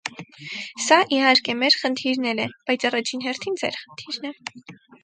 Սա, իհարկե, մեր խնդիրն էլ է, բայց առաջին հերթին ձեր խնդիրն է: